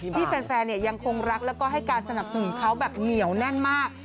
ที่แฟนยังคงรักแล้วก็ให้การสนับสนุนเขาแบบเหนียวแน่นมาก